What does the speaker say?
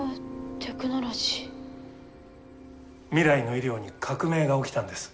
未来の医療に革命が起きたんです。